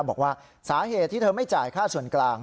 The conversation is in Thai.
บอกว่าสาเหตุที่เธอไม่จ่ายค่าส่วนกลาง